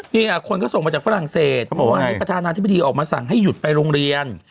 นี่คนก็ส่งมาจากฝรั่งเศสบอกว่าให้ประธานาธิบดีออกมาสั่งให้หยุดไปโรงเรียน